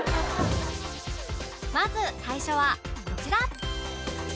まず最初はこちら